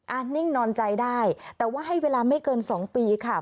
นิ่งนอนใจได้แต่ว่าให้เวลาไม่เกิน๒ปีค่ะ